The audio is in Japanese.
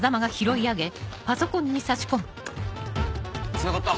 つながった！